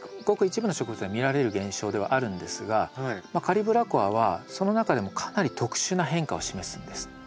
ごく一部の植物に見られる現象ではあるんですがカリブラコアはその中でもかなり特殊な変化を示すんです。